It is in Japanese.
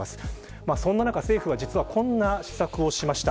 そんな中、政府はこんな施策をしました。